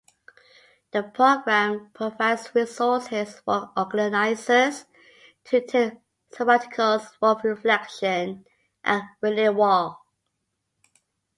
The program provides resources for organizers to take sabbaticals for reflection and renewal.